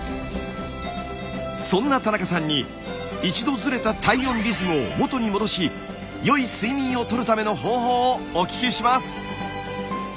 そんな田中さんに一度ずれた体温リズムを元に戻しよい睡眠をとるための方法をお聞きします！